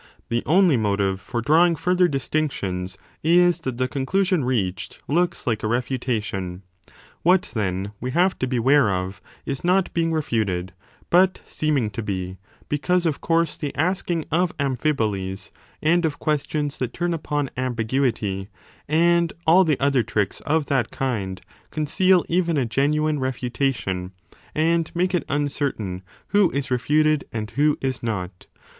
The only motive for drawing further distinctions is that the conclusion reached 40 looks like a refutation. What, then, we have to beware of, is not being refuted, but seeming to be, because of course the asking of amphibolies and of questions that turn upon i7g b ambiguity, and all the other tricks of that kind, conceal even a genuine refutation, and make it uncertain who is refuted and who is not.